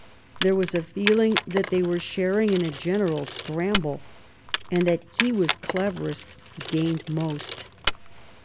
There was a feeling that they were sharing in a general scramble, and that he was cleverest who gained most.